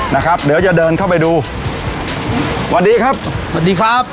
นะครับเดี๋ยวจะเดินเข้าไปดูสวัสดีครับสวัสดีครับ